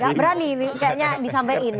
gak berani kayaknya disampaikan